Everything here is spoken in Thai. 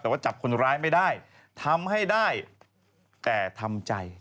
แต่ว่าจับคนร้ายไม่ได้ทำให้ได้แต่ทำใจ